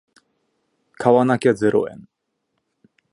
買わなきゃゼロ円